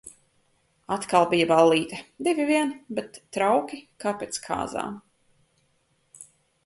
Atkal bija ballīte, divi vien, bet trauki kā pēc kāzām.